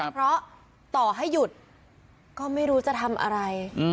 เพราะต่อให้หยุดก็ไม่รู้จะทำอะไร